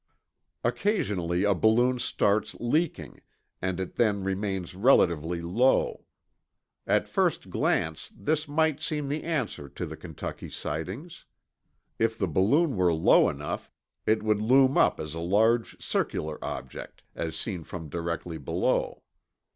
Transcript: Occasionally a balloon starts leaking, and it then remains relatively low. At first glance, this might seem the answer to the Kentucky sightings. If the balloon were low enough, it would loom up as a large circular object, as seen from directly below.